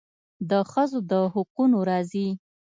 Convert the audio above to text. د ښځو د حقونو راځي.